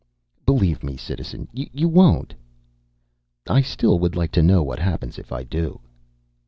"Believe me, Citizen, you won't." "I still would like to know what happens if I do."